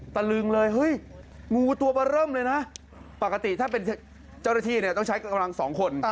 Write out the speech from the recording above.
ตะลึงเลยเฮ้ยงูตัวเบอร์เริ่มเลยนะปกติถ้าเป็นเจ้าหน้าที่เนี่ยต้องใช้กำลังสองคน